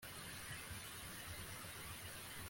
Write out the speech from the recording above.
Umugore amanitse kumesa kumurongo